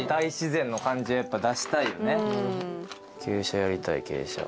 傾斜やりたい傾斜。